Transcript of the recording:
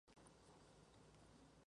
Ring Lardner Jr.